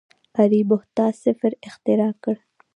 آریابهټا صفر اختراع کړ.